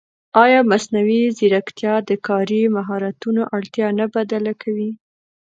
ایا مصنوعي ځیرکتیا د کاري مهارتونو اړتیا نه بدله کوي؟